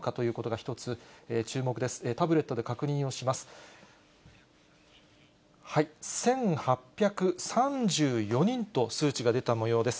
１８３４人と数値が出たもようです。